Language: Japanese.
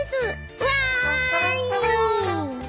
わい。